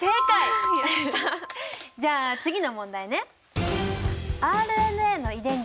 じゃあ次の問題ね！